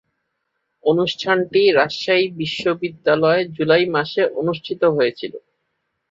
অনুষ্ঠানটি রাজশাহী বিশ্বনিদ্যালয়ে জুলাই মাসে অনুষ্ঠিত হয়েছিলো।